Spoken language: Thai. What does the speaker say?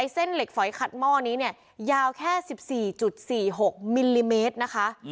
เส้นเหล็กฝอยขัดหม้อนี้เนี่ยยาวแค่๑๔๔๖มิลลิเมตรนะคะ